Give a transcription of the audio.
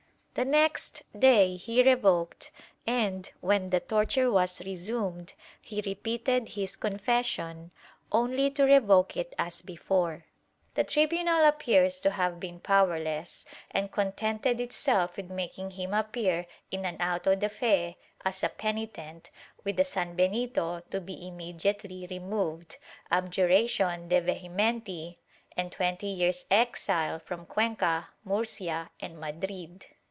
The next day he revoked and, when the torture was resumed, he repeated his confession, only to revoke it as before. The tribunal appears to have been powerless and contented itself with making him appear in an auto de fe as a penitent, with a sanbenito to be imme diately removed, abjuration de vehementi and twenty years' exile from Cuenca, Murcia and Madrid.